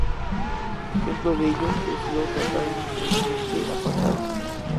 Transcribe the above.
Ejemplo de ello es lo tratado en este apartado.